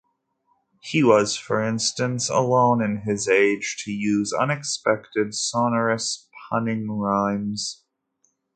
He was, for instance, alone in his age to use unexpected, sonorous, punning rhymes.